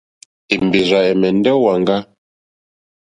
Èmbèrzà ɛ̀mɛ́ndɛ́ ó wàŋgá.